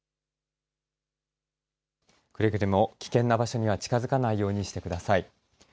くれぐれも危険な場所には近づかないようにしてください。